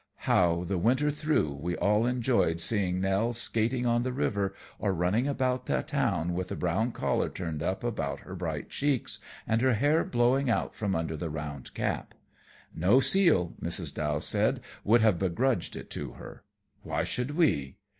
How, the winter through, we all enjoyed seeing Nell skating on the river or running about the town with the brown collar turned up about her bright cheeks and her hair blowing out from under the round cap! "No seal," Mrs. Dow said, "would have begrudged it to her. Why should we?"